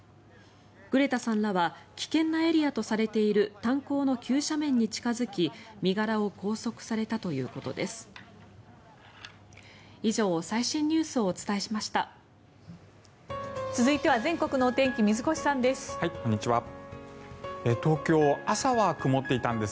グレタさんらは危険なエリアとされている炭鉱の急斜面に近付き身柄を拘束されたということです。